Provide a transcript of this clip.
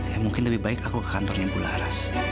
ya mungkin lebih baik aku ke kantornya bu laras